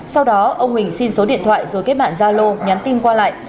sau đó ông huỳnh xin số điện thoại rồi kết bạn gia lô nhắn tin qua lại